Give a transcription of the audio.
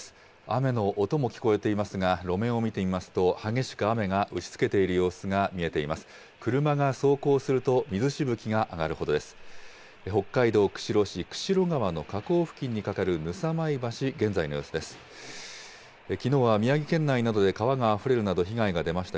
雨の音も聞こえていますが、路面を見てみますと激しく雨が打ちつけている様子が見えています。